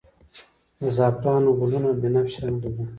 د زعفران ګلونه بنفش رنګ لري